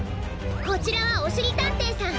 こちらはおしりたんていさん。